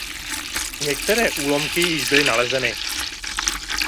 Některé úlomky již byly nalezeny.